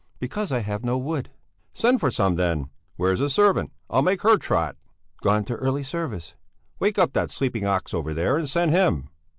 "Because I have no wood." "Send for some then! Where's the servant? I'll make her trot." "Gone to early service." "Wake up that sleeping ox over there and send him!"